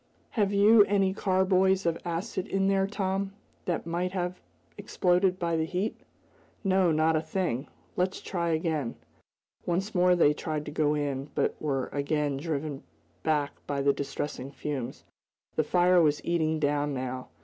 "Have you any carboys of acid in there Tom, that might have exploded by the heat?" "No; not a thing. Let's try again." Once more they tried to go in, but were again driven back by the distressing fumes. The fire was eating down, now.